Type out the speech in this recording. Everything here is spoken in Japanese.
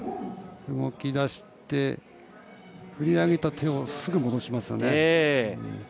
動き出して振り上げた手をすぐに戻しますよね。